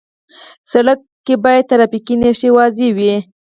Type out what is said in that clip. سړک کې باید ټرافیکي نښې واضح وي.